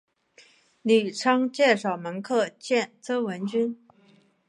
吕仓介绍门客见周文君。